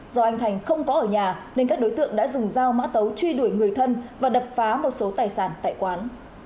do anh thành không có ở nhà nên các đối tượng đã dùng dao mã tấu truy đuổi người thân và đập phá một số tài sản tại quán